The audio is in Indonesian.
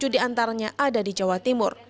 dua puluh tujuh di antaranya ada di jawa timur